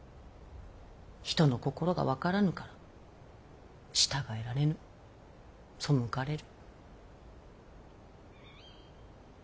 人の心が分からぬから従えられぬ背かれる。